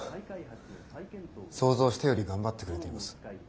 想像したより頑張ってくれています。